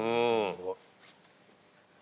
すごい。